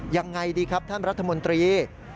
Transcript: ยังไงดีครับท่านรัฐมนตรี